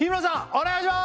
お願いします